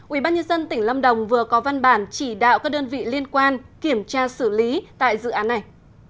ubnd tỉnh lâm đồng vừa có văn bản chỉ đạo các đơn vị liên quan kiểm tra xử lý tại dự án này